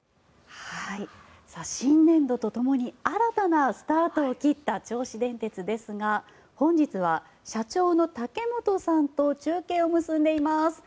新年度とともに新たなスタートを切った銚子電鉄ですが本日は社長の竹本さんと中継を結んでします。